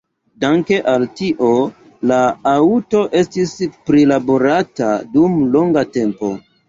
Danke al tio la aŭto estis prilaborata dum longa tempo.